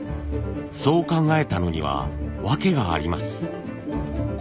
そう考えたのには訳があります。